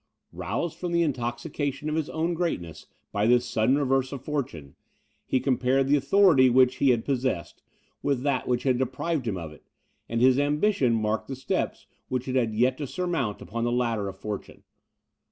Roused from the intoxication of his own greatness by this sudden reverse of fortune, he compared the authority which he had possessed, with that which had deprived him of it; and his ambition marked the steps which it had yet to surmount upon the ladder of fortune.